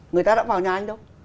người ta đã vào nhà anh đâu